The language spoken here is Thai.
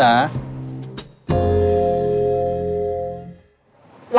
หลายสอง